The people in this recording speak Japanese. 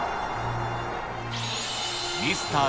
ミスター